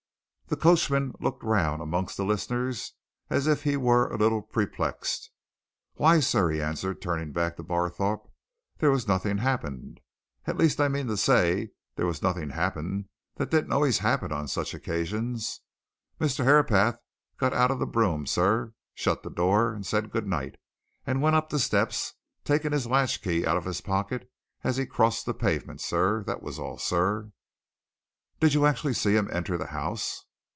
The coachman looked round amongst the listeners as if he were a little perplexed. "Why, sir," he answered, turning back to Barthorpe, "there was nothing happened! At least, I mean to say, there was nothing happened that didn't always happen on such occasions Mr. Herapath got out of the brougham, shut the door, said 'Good night,' and went up the steps, taking his latch key out of his pocket as he crossed the pavement, sir. That was all, sir." "Did you actually see him enter the house?"